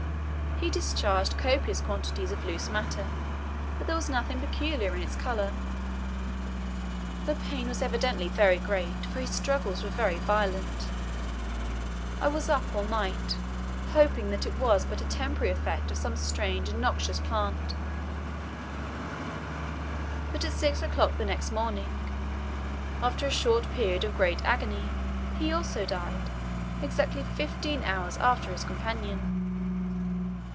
He discharged copious quantities of loose matter, but there was nothing peculiar in its colour. The pain was evidently very great, for his struggles were very violent. I was up all night, hoping that it was but a temporary effect of some strange and noxious plant; but at 6 o'clock the next morning, after a short period of great agony, he also died; exactly fifteen hours after his companion.